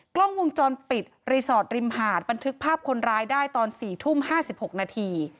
กล้องวงจรปิดรีสอร์ทริมหาดบันทึกภาพคนร้ายได้ตอน๔ทุ่ม๕๖นาที